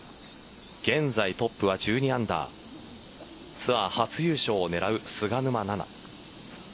現在トップは１２アンダーツアー初優勝を狙う菅沼菜々。